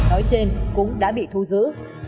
nói trên cũng đã bị thu giữ